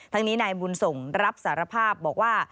นี้นายบุญส่งรับสารภาพบอกว่า